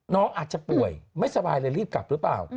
น้องอาจจะป่วยไม่สบายเลยรีบกลับหรือเปล่า